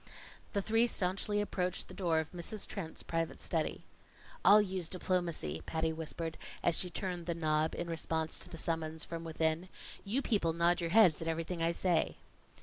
The three staunchly approached the door of Mrs. Trent's private study. "I'll use diplomacy," Patty whispered, as she turned the knob in response to the summons from within. "You people nod your heads at everything I say."